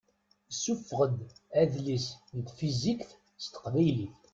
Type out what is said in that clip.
Isuffeɣ-d adlis n tfizikt s teqbaylit.